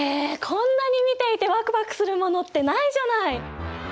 こんなに見ていてワクワクするものってないじゃない！？